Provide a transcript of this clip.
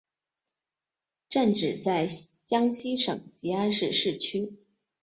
站址在江西省吉安市市区。